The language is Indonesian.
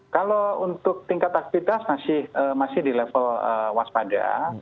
kalau untuk tingkat aktivitas masih di level awas pada